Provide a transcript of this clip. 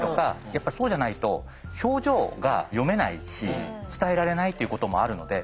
やっぱそうじゃないと表情が読めないし伝えられないということもあるので。